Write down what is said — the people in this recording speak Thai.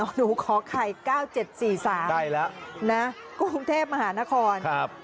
หนูขอไข่๙๗๔๓กรุงเทพฯมหานคร